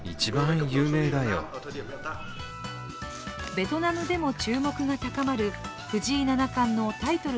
ベトナムでも注目が高まる藤井七冠のタイトル